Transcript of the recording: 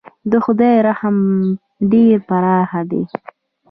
د خدای رحمت ډېر پراخه دی.